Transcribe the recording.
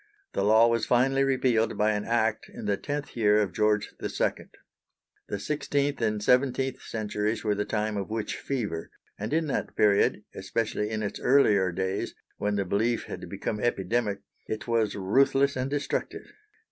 The law was finally repealed by an Act in the tenth year of George II. The sixteenth and seventeenth centuries were the time of witch fever, and in that period, especially in its earlier days when the belief had become epidemic, it was ruthless and destructive.